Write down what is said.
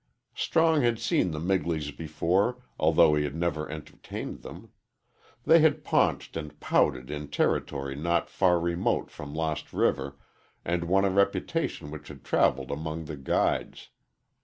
Strong had seen the Migleys before, although he had never entertained them. They had paunched and pouted in territory not far remote from Lost River, and won a reputation which had travelled among the guides.